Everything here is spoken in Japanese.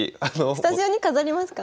スタジオに飾りますか？